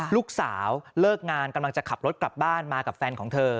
เลิกงานกำลังจะขับรถกลับบ้านมากับแฟนของเธอ